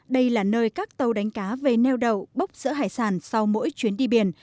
đây là nơi các tàu đánh cá về neo đầu bốc sữa hải sản sau mỗi chuyến đi biển